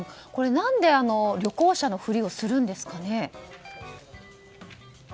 何で旅行者のふりをするんですかね？